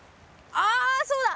あそうだ！